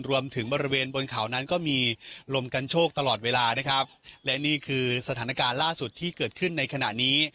บริเวณบนเขานั้นก็มีลมกันโชคตลอดเวลานะครับและนี่คือสถานการณ์ล่าสุดที่เกิดขึ้นในขณะนี้